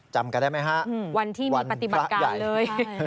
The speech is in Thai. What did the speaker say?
จำกันได้ไหมฮะวันที่มีปฏิบัติการเลย